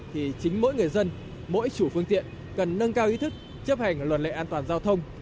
thì chính mỗi người dân mỗi chủ phương tiện cần nâng cao ý thức chấp hành luật lệ an toàn giao thông